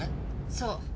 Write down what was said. そう。